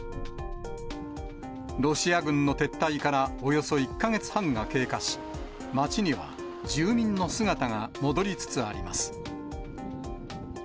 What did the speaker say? ロシア軍の撤退からおよそ１か月半が経過し、街には住民の姿が戻りつつあります。